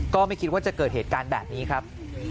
ก็ไม่คิดว่าจะเกิดเหตุการณ์แบบนี้ครับ